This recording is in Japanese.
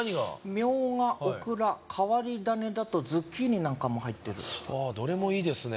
ミョウガオクラ変わり種だとズッキーニなんかも入ってるああどれもいいですね